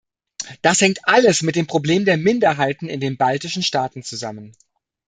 Das hängt alles mit dem Problem der Minderheiten in den baltischen Staaten zusammen.